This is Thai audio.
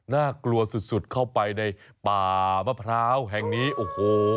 น่ากลัวสุดเข้าไปในป่ามะพร้าวแห่งนี้โอ้โห